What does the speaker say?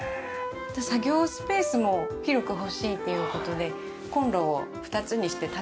作業スペースも広く欲しいという事でコンロを２つにして縦に。